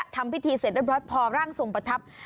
ทำวิธีเสร็จก็รดพอร่างสงประทับ